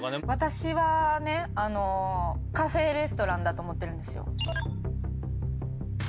私はね「Ｃａｆｅレストラン」だと思ってるんですよ